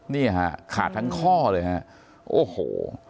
นี่ฮะขาดทั้งข้อเลยฮะโอ้โห